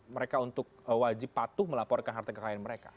mereka untuk wajib patuh melaporkan harta kekayaan mereka